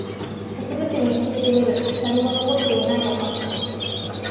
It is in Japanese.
僕自身にきいてみる。何も残っていないのか？